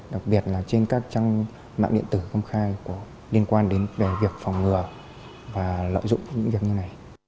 đặc biệt là trên các trang mạng điện tử công khai liên quan đến việc phòng ngừa và lợi dụng những việc như này